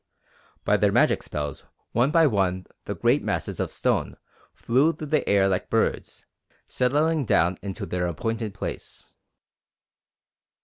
By their magic spells one by one the great masses of stone flew through the air like birds, settling down into their appointed place."